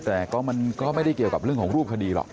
แต่ก็มันก็ไม่ได้เกี่ยวกับเรื่องของรูปคดีหรอก